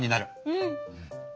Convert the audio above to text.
うん。